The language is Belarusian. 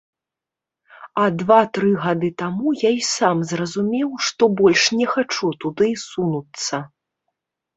А два-тры гады таму я і сам зразумеў, што больш не хачу туды сунуцца.